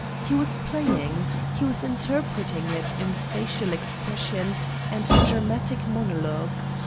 He was playing, he was interpreting it in facial expression and dramatic monologue!